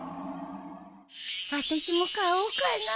あたしも買おうかな。